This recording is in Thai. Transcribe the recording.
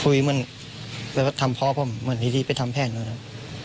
คุยเหมือนกับทำพ่อผมเหมือนที่ไปทำแพทย์เหมือนกัน